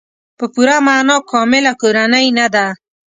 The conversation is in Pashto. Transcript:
په پوره معنا کامله کورنۍ نه ده.